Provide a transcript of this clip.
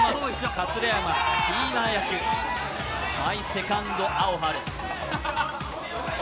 桂山キイナ役「マイ・セカンド・アオハル」。